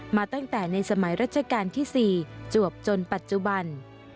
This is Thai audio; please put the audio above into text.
มาตั้งแต่ในสมัยรัชกาลที่๔จวบจนปัจจุบัน